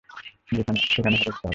সেখানে হেঁটে যেতে হবে।